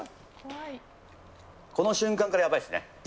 この瞬間からやばいですね。